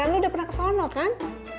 lu udah pernah kesana kan